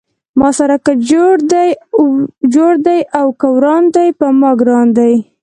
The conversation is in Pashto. ما سره که جوړ دی او که وران دی پۀ ما ګران دی